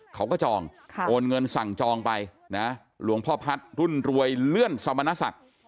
เขาก็จองโอนเงินสั่งจองไปนะหลวงพ่อพัฒน์รุ่นรวยเลื่อนสมณศักดิ์